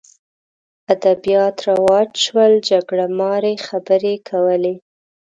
ادبیات رواج شول جګړه مارۍ خبرې کولې